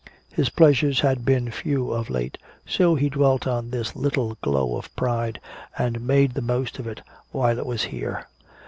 His pleasures had been few of late, so he dwelt on this little glow of pride and made the most of it while it was here.